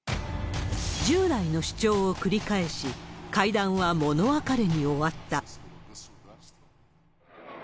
従来の主張を繰り返し、会談は物別れに終わった。